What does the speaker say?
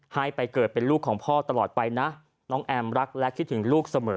ให้ไปเกิดเป็นลูกของพ่อตลอดไปนะน้องแอมรักและคิดถึงลูกเสมอ